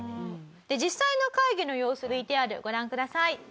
実際の会議の様子ＶＴＲご覧ください。